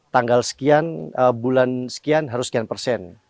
tanggal sekian bulan sekian harus sekian persen